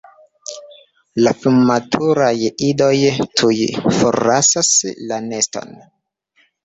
La frumaturaj idoj tuj forlasas la neston.